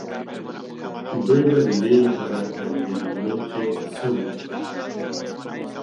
دوی به د دې لپاره بندیانول چې سم وچلېږي.